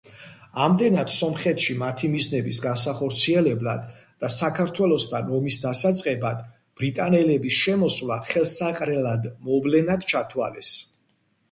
ამდენად სომხეთში მათი მიზნების განსახორციელებლად და საქართველოსთან ომის დასაწყებად ბრიტანელების შემოსვლა ხელსაყრელად მოვლენად ჩათვალეს.